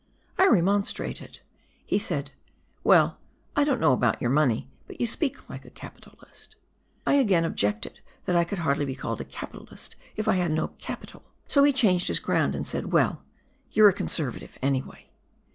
I remonstrated. He said: "Well, I don't know about your mone}', but you speak like a capitalist." I again objected that I could hardly be called a capitalist if I had no capital. So he changed his ground, and said, " Well, you're a Conservative, anyway."